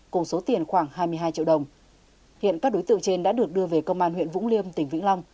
cùng số tiền khoảng hai mươi hai triệu đồng hiện các đối tượng trên đã được đưa về công an huyện vũng liêm tỉnh vĩnh long